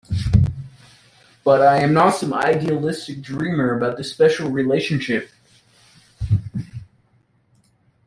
But I am not some idealistic dreamer about the special relationship.